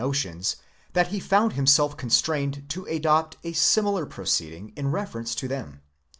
43. notions, that he found himself constrained to adopt a similar proceeding im reference tothem.